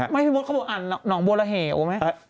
ไม่ใช่มนตร์เข้าบอกอ่านหนองบัวระเหวอ่ะไหม